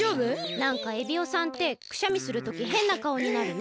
なんかエビオさんってくしゃみするときへんなかおになるね。